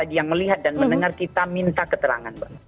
yang melihat dan mendengar kita minta keterangan mbak